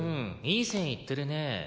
いい線いってるね」